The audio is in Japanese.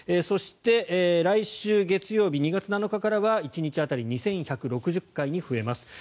そして来週月曜日２月７日からは１日当たり２１６０回に増えます。